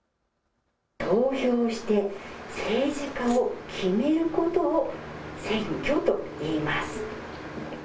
投票して政治家を決めることを選挙といいます。